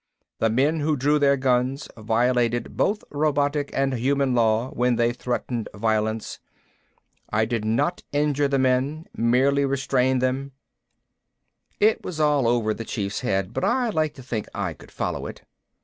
The men who drew their guns violated both robotic and human law when they threatened violence. I did not injure the men merely restrained them." It was all over the Chief's head, but I liked to think I could follow it.